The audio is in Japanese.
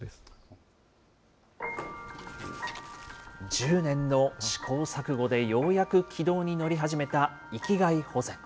１０年の試行錯誤でようやく軌道に乗り始めた域外保全。